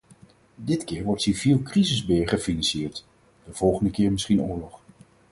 Dit keer wordt civiel crisisbeheer gefinancierd, de volgende keer misschien oorlog.